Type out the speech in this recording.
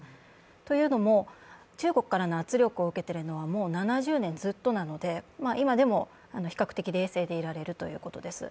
というのも、中国からの圧力を受けているのは７０年ずっとなので、今でも比較的冷静でいられるということです。